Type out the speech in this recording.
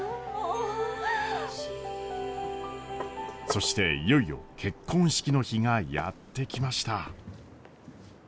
そしていよいよ結婚式の日がやって来ました。